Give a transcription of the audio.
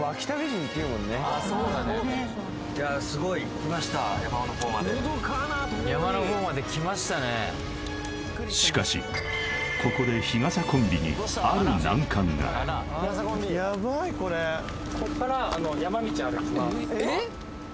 あっそうだねいやすごい来ました山の方までしかしここで日傘コンビにある難関がヤバいこれえっ！？